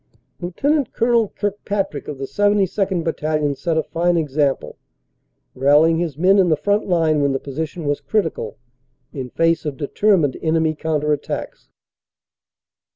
Lt. Col. Kirkpatrick of the 72nd. Battalion set a fine exam ple, rallying his men in the front line when the position was critical in face of determined enemy counter attacks.